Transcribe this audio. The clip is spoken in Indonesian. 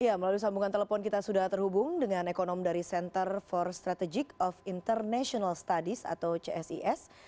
ya melalui sambungan telepon kita sudah terhubung dengan ekonom dari center for strategic of international studies atau csis